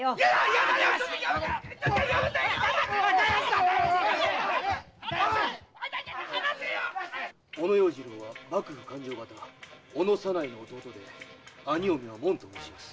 やめてっ‼小野要次郎は幕府勘定方・小野左内の弟で兄嫁は「もん」ともうします。